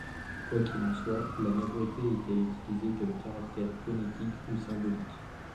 Quoi qu'il en soit, la majorité était utilisée comme caractère phonétique ou symbolique.